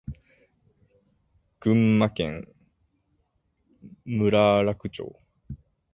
群馬県邑楽町